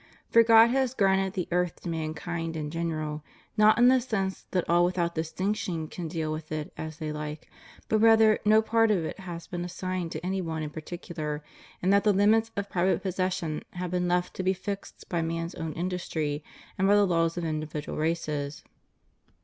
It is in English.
For God has granted the earth to mankind in general, not in the sense that all without distinction can deal with it as they like, but rather that no part of it has been assigned to any one in particular, and that the limits of private possession have been left to be fixed by man's own industry, and by the laws of individual races.